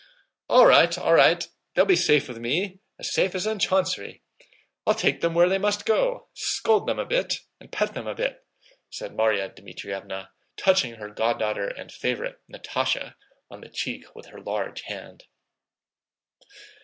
"All right. All right. They'll be safe with me, as safe as in Chancery! I'll take them where they must go, scold them a bit, and pet them a bit," said Márya Dmítrievna, touching her goddaughter and favorite, Natásha, on the cheek with her large hand.